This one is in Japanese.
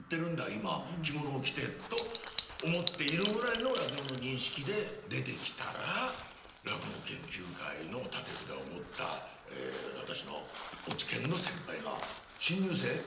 今着物を着てと思っているぐらいの落語の認識で出てきたら落語研究会の立て札を持った私の落研の先輩が「新入生？